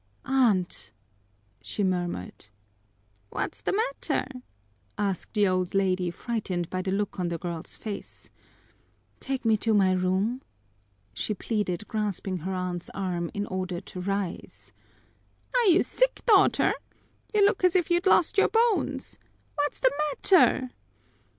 "Aunt!" she murmured. "What's the matter?" asked the old lady, frightened by the look on the girl's face. "Take me to my room!" she pleaded, grasping her aunt's arm in order to rise. "Are you sick, daughter? You look as if you'd lost your bones! What's the matter?"